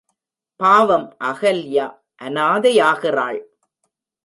பாவம் அகல்யா அனாதையாகிறாள்!